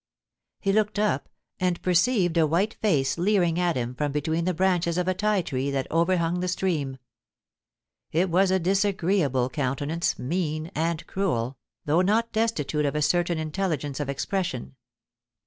He looked up and perceived a white face leering at him from between the branches of a ti tree that overhung the stream. It was a disagreeable countenance, mean and cruel, though not destitute of a certain intelligence of expression.